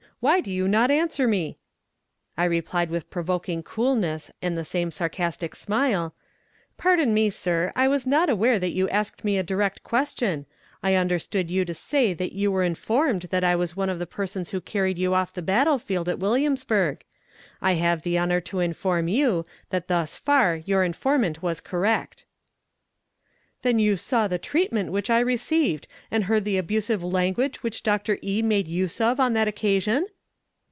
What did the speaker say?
Why do you not answer me?" I replied with provoking coolness and the same sarcastic smile: "Pardon me, sir, I was not aware that you asked me a direct question; I understood you to say that you were informed that I was one of the persons who carried you off the battle field at Williamsburg. I have the honor to inform you that thus far your informant was correct." "Then you saw the treatment which I received, and heard the abusive language which Doctor E. made use of on that occasion?"